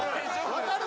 ・分かる？